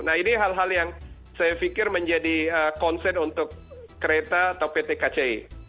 nah ini hal hal yang saya pikir menjadi concern untuk kereta atau pt kci